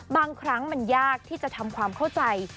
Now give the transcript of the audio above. บางครั้งมันยากที่จะทำความเข้าใจ